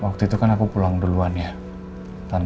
waktu itu kan aku pulang duluan ya tante handin